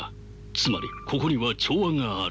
つまりここには調和がある。